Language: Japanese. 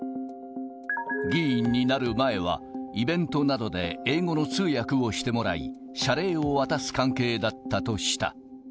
議員になる前は、イベントなどで英語の通訳をしてもらい、謝礼を渡す関係だったとした。